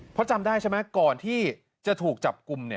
เพราะจำได้ใช่ไหมก่อนที่จะถูกจับกลุ่ม